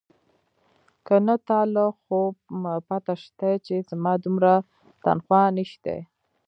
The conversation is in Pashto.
که نه تا له خو پته شتې چې زما دومره تنخواه نيشتې.